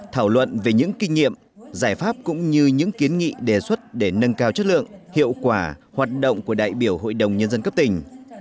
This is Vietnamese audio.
thảo luận về những kinh nghiệm giải pháp cũng như những kiến nghị đề xuất để nâng cao chất lượng hiệu quả hoạt động của đại biểu hội đồng nhân dân cấp tỉnh